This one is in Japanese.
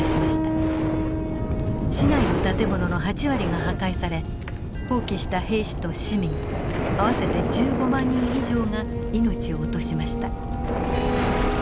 市内の建物の８割が破壊され蜂起した兵士と市民合わせて１５万人以上が命を落としました。